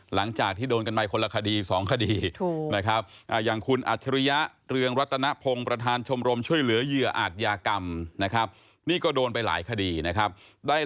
หลังจากที่โดนกันไหมคนละคดี๒คดี